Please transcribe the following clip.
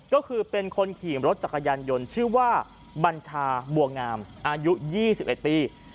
ก็คือเป็นคนขี่รถจักรยานยนต์ชื่อว่าบัญชาบัวงามอายุ๒๑ปี